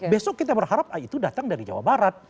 besok kita berharap itu datang dari jawa barat